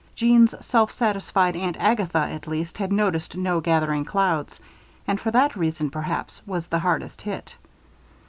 Jeanne's self satisfied Aunt Agatha, at least, had noticed no gathering clouds; and for that reason, perhaps, was the harder hit.